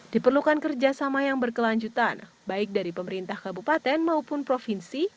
diperlukan kerjasama yang berkelanjutan baik dari pemerintah kabupaten maupun provinsi